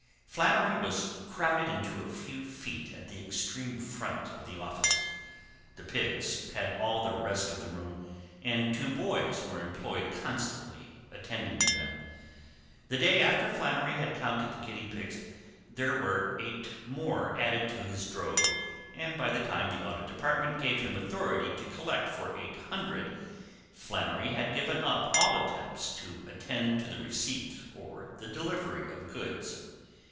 Flannery was crowded into a few feet at the extreme front of the office. The pigs had all the rest of the room and two boys were employed constantly attending to them. The day after Flannery had counted the guinea pigs there were eight more added to his drove, and by the time the Audit Department gave him authority to collect for eight hundred Flannery had given up all attempts to attend to the receipt or the delivery of goods.